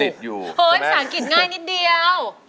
ไฟสังกิจง่ายนิดเดียว